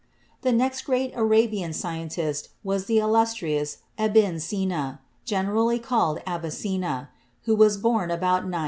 The next great Arabian scientist was the illustrious Ebn Sina, generally called Avicenna, who was born about 980.